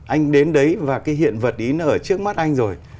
anh đến đấy và cái hiện vật ý nó ở trước mắt anh rồi